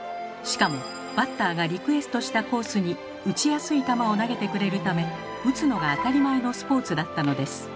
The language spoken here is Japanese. しかもバッターがリクエストしたコースに打ちやすい球を投げてくれるため打つのが当たり前のスポーツだったのです。